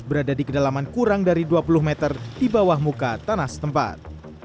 berada di kedalaman kurang dari dua puluh meter di bawah muka tanah setempat